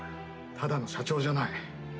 ただの社長じゃない。